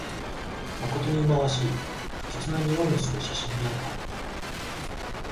まことにいまわしい、不吉なにおいのする写真であった